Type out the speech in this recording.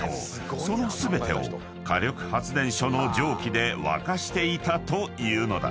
［その全てを火力発電所の蒸気で沸かしていたというのだ］